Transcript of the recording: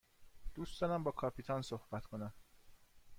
دوست دارم با کاپیتان صحبت کنم.